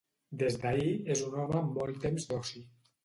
Des d'ahir, és un home amb molt temps d'oci.